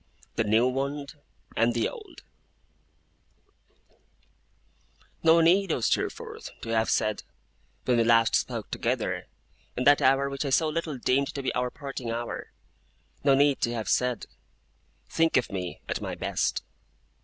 THE NEW WOUND, AND THE OLD No need, O Steerforth, to have said, when we last spoke together, in that hour which I so little deemed to be our parting hour no need to have said, 'Think of me at my best!